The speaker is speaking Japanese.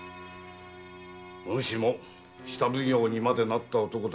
お主も下奉行にまでなった男だ。